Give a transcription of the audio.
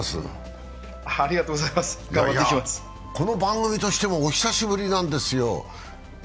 この番組としてもお久しぶりなんですよ。